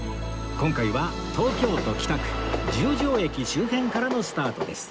今回は東京都北区十条駅周辺からのスタートです